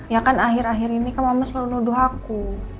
ya kan akhir akhir ini kamu selalu nuduh aku